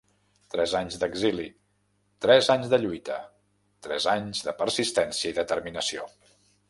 Tres anys d’exili, tres anys de lluita, tres anys de persistència i determinació.